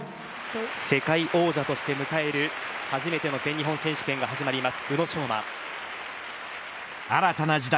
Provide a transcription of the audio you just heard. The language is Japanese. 世界王者として迎える初めての全日本選手権が始まります。